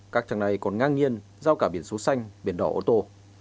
các trang này còn ngang nhiên giao cả biển số xanh biển đỏ ô tô